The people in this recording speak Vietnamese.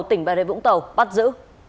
tỉnh bà rệ vũng tàu bắt giữ